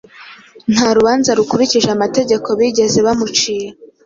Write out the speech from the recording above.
Nta rubanza rukurikije amategeko bigeze bamucira